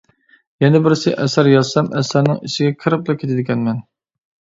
يەنە بىرسى ئەسەر يازسام ئەسەرنىڭ ئىچىگە كىرىپلا كېتىدىكەنمەن.